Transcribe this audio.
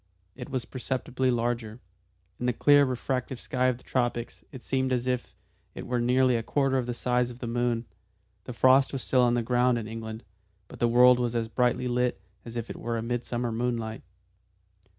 It was perceptibly larger; in the clear refractive sky of the tropics it seemed as if it were nearly a quarter the size of the moon. The frost was still on the ground in England, but the world was as brightly lit as if it were midsummer moonlight.